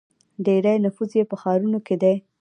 ډیری نفوس یې په ښارونو کې دی.